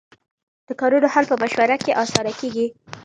د کارونو حل په مشوره کې اسانه کېږي.